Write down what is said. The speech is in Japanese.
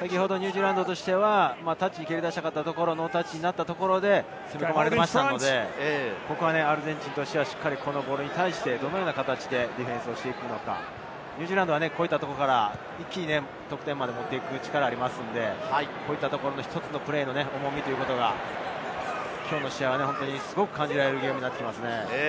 先ほどニュージーランドとしてはタッチに蹴り出したかったところで、スクラムがありましたので、アルゼンチンとしてはしっかりボールに対して、どのような形でディフェンスしていくのか、ニュージーランドはこういったところから一気に得点まで持っていく力がありますので、１つのプレーの重みがきょうの試合はすごく感じられるゲームになってきますね。